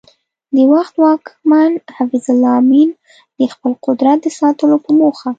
د وخت واکمن حفیظ الله امین د خپل قدرت د ساتلو په موخه